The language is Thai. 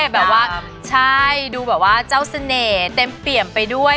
แบบว่าใช่ดูแบบว่าเจ้าเสน่ห์เต็มเปี่ยมไปด้วย